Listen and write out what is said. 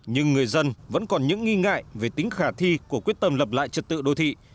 nhưng người dân vẫn còn những nghi ngại về tính khả thi của quyết tâm lập lại trật tự đô thị